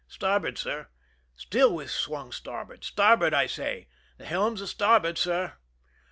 " Starboard, sir." .Still we swung starboard !^' Starboard, I say !"" The helm 's astarboard, sir."